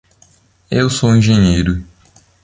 Eu sou engenheiro.